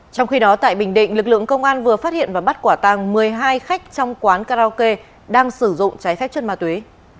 trong khi đó tại bình định lực lượng công an vừa phát hiện và bắt quả tàng một mươi hai khách trong quán karaoke đang sử dụng trái phép chất ma túy